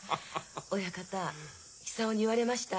親方久男に言われました。